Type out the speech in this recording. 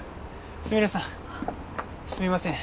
スミレさんすみません